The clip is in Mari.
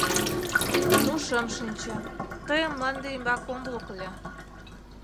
— Ну шым шинче, тыйым мланде ӱмбак ом лук ыле.